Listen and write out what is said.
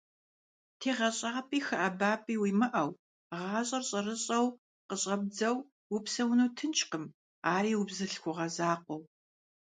ТегъэщӀапӀи хэӀэбапӀи уимыӀэу, гъащӀэр щӀэрыщӀэу къыщӀэбдзэу упсэуну тыншкъым, ари убзылъхугъэ закъуэу.